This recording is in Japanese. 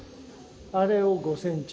あれを５センチ。